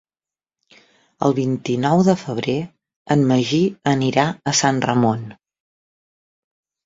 El vint-i-nou de febrer en Magí anirà a Sant Ramon.